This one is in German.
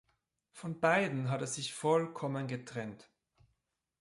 Von beiden hat er sich vollkommen getrennt.